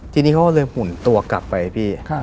ทีนี้เขาก็เลยหุ่นตัวกลับไปพี่